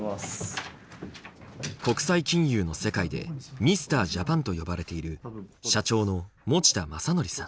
国際金融の世界で“Ｍｒ．Ｊａｐａｎ”と呼ばれている社長の持田昌典さん。